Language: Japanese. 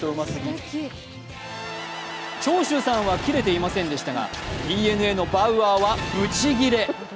長州さんはキレていませんでしたが、ＤｅＮＡのバウアーはブチギレ。